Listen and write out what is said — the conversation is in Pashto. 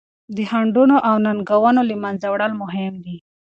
د خنډونو او ننګونو له منځه وړل مهم دي.